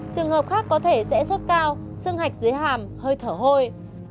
trường hợp khác có thể sẽ suốt cao sưng hạch dưới hàm hơi thở hôi